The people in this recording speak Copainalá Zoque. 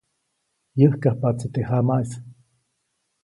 Yäjkajpaʼtsi teʼ jamaʼis.